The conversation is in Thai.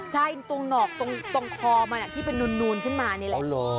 ใช่ตรงหนอกตรงคอมันที่เป็นนูนขึ้นมานี่แหละ